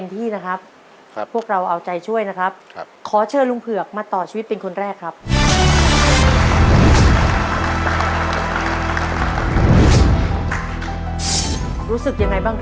ถ้าช่วงคือตอบถูกทั้งหมด๔ข้อ